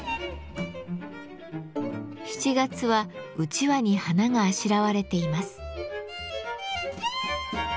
７月はうちわに花があしらわれています。